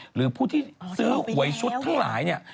หรือผู้ที่ซื้อหวยชุดทั้งหลายเนี่ย